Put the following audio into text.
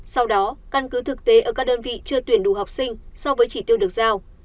sau đó căn cứ thực tế ở các đơn vị chưa tuyển đủ học sinh so với chỉ tiêu được giao